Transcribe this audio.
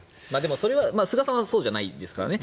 それは菅さんはそうじゃないですからね